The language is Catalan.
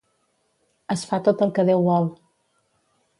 Es fa tot el que Déu vol.